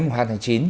mùng hai tháng chín